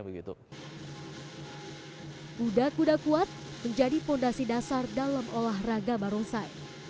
buda buda kuat menjadi fondasi dasar dalam olahraga barongsai